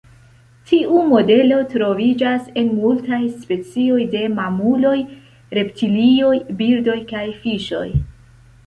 Tiu modelo troviĝas en multaj specioj de mamuloj, reptilioj, birdoj kaj fiŝoj.